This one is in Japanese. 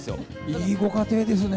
いいご家庭ですね。